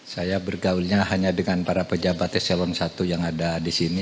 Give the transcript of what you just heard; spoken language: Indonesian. saya bergaulnya hanya dengan para pejabat s satu yang ada disini